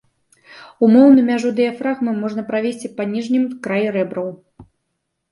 Умоўна мяжу дыяфрагмы можна правесці па ніжнім краі рэбраў.